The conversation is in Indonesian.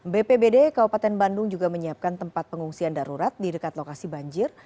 bpbd kabupaten bandung juga menyiapkan tempat pengungsian darurat di dekat lokasi banjir